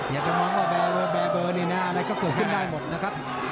อยากจะมองว่าแบร์เบอร์แบร์เบอร์ในหน้าอะไรก็เผื่อขึ้นได้หมดนะครับ